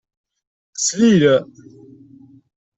Slil.